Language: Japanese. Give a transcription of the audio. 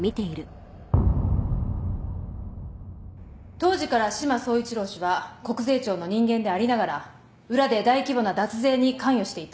当時から志摩総一郎氏は国税庁の人間でありながら裏で大規模な脱税に関与していた。